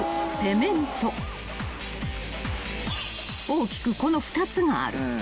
［大きくこの２つがある］